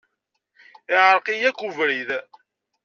Iɛreq-iyi akk ubrid.